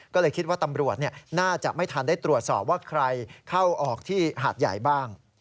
ก็เลยคิดว่าตำรวจน่าจะไม่ทันได้ตรวจสอบว่าใครเข้าออกที่หาดใหญ่บ้าง